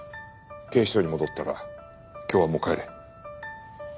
警視庁に戻ったら今日はもう帰れ。